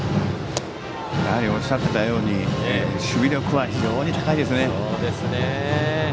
おっしゃっていたように守備力は非常に高いですね。